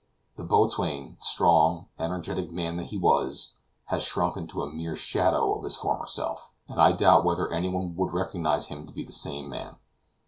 The boatswain, strong, energetic man that he was, has shrunk into a mere shadow of his former self, and I doubt whether anyone would recognize him to be the same man.